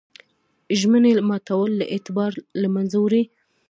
ژمنې ماتول اعتبار له منځه وړي.